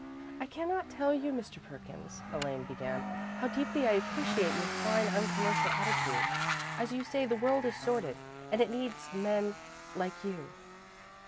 "I cannot tell you, Mr. Perkins," Elaine began, "how deeply I appreciate your fine, uncommercial attitude. As you say, the world is sordid, and it needs men like you."